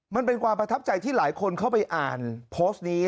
มันเป็นความประทับใจที่หลายคนเข้าไปอ่านโพสต์นี้